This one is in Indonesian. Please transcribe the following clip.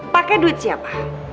pake duit siapa